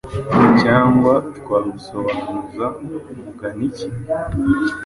Cyangwa twabusobanuza mugani ki?” .